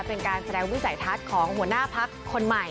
เป็นการแสดงวิสัยทัศน์ของหัวหน้าพักคนใหม่